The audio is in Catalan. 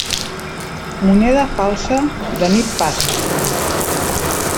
Moneda falsa, de nit passa.